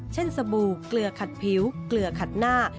สบู่เกลือขัดผิวเกลือขัดหน้า